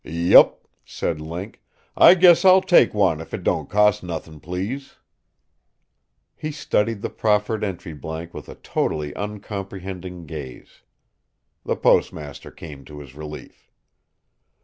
"Yep," said Link. "I guess I'll take one if it don't cost nothin', please." He studied the proffered entry blank with totally uncomprehending gaze. The postmaster came to his relief.